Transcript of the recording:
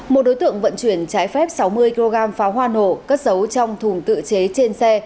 một đối tượng vận chuyển trái phép sáu mươi kg pháo hoa nổ cất giấu trong thùng tự chế trên xe